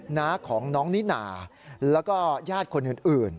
น้าของน้องนิน่าแล้วก็ญาติคนอื่น